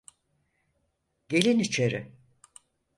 Gelin içeri.